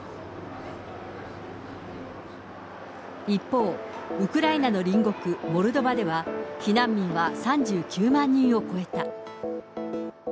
一方、ウクライナの隣国、モルドバでは、避難民は３９万人を超えた。